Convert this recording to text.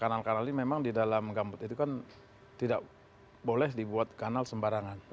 karena kanal kanal yang ada dalam gambut itu kan tidak boleh dibuat kanal sembarangan